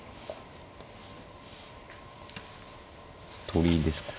取りですか。